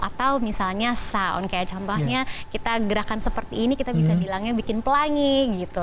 atau misalnya sound kayak contohnya kita gerakan seperti ini kita bisa bilangnya bikin pelangi gitu